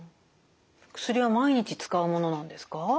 薬は毎日使うものなんですか？